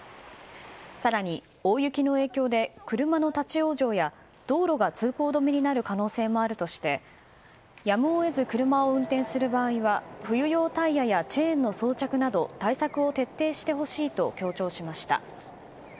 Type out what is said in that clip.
更に、大雪の影響で車の立ち往生や道路が通行止めになる可能性もあるとしてやむを得ず車を運転する場合は冬用タイヤやチェーンの装着など対策を徹底してほしいと強調しました。